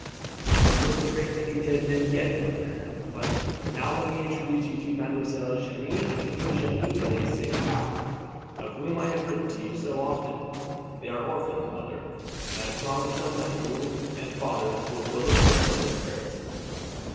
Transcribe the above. "I am worth a great many dead men yet, mother. But now let me introduce to you Mesdemoiselles Jeanne and Virginie de St. Caux, of whom I have written to you so often. They are orphans, mother, and I have promised them that you and father will fill the place of their parents."